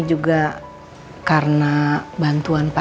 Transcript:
buta berta jenna